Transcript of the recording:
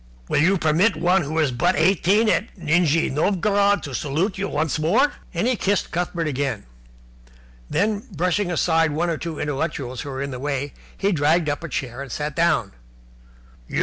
Will you permit one who is but eighteen at Nijni Novgorod to salute you once more?" And he kissed Cuthbert again. Then, brushing aside one or two intellectuals who were in the way, he dragged up a chair and sat down.